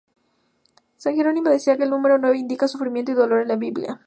San Jerónimo decía que el número nueve indica sufrimiento y dolor en la Biblia.